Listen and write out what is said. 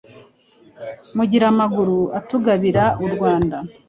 Mugira amaguru atugabira, urwanda